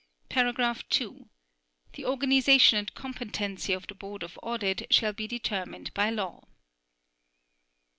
(2) The organization and competency of the Board of Audit shall determined by law.